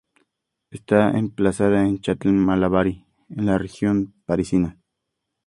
Está emplazada en Châtenay-Malabry, en la región parisina.